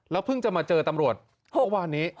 แล้วเพิ่งจะมาเจอตำรวจ๖วันนี้